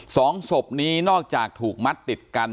สองศพนี้นอกจากถูกมัดติดกัน